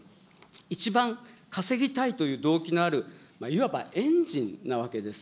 一番稼ぎたいという動機のある、いわばエンジンなわけです。